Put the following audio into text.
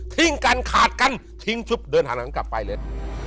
ทิ้งกันขาดกันทิ้งชุบเดินหันหลังกลับไปเลย